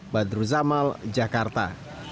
badru zamal jakarta